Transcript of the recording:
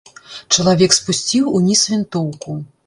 Чалавек спусціў уніз вінтоўку.